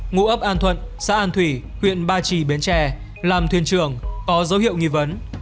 ngụ ấp an thuận xã an thủy huyện ba trì bến tre làm thuyền trưởng có dấu hiệu nghi vấn